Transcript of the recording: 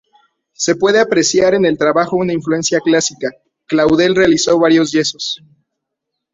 Se puede apreciar en el trabajo una influencia clásica, Claudel realizó varios yesos.